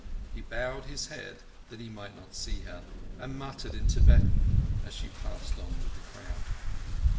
He bowed his head that he might not see her, and muttered in Tibetan as she passed on with the crowd.